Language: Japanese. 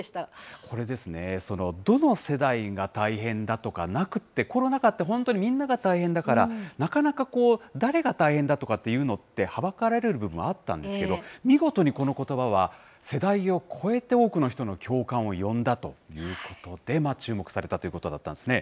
これですね、どの世代が大変だとかなくって、コロナ禍で本当、みんなが大変だから、なかなか誰が大変だとかって言うのってはばかられる部分もあったんですけれども、見事にこのことばは世代を超えて多くの人の共感を呼んだということで、注目されたということだったんですね。